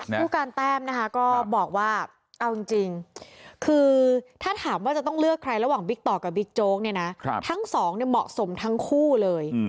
ผู้การแต้มนะคะก็บอกว่าเอาจริงคือถ้าถามว่าจะต้องเลือกใครระหว่างบิ๊กต่อกับบิ๊กโจ๊กเนี่ยนะทั้งสองเนี่ยเหมาะสมทั้งคู่เลย